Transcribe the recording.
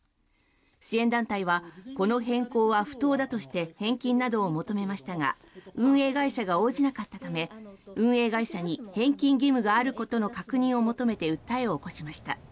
支援団体はこの変更は不当だとして返金などを求めましたが運営会社が応じなかったため運営会社に返金義務があることの確認を求めて訴えを起こしました。